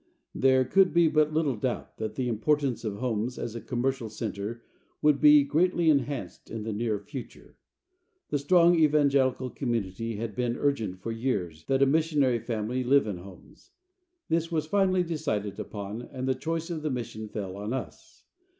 There could be but little doubt that the importance of Homs as a commercial center would be greatly enhanced in the near future. The strong evangelical community had been urgent for years that a missionary family live in Homs. This was finally decided upon and the choice of the mission fell on us.